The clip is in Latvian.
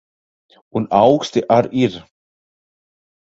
Un auksti ar ir.